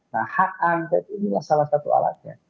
nah hak angket inilah salah satu alatnya